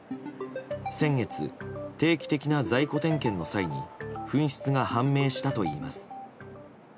先月、定期的な在庫点検の際に紛失が判明したといいます。